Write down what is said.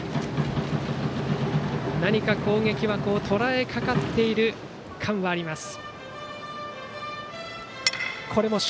何か、攻撃はとらえかかっている感はあります。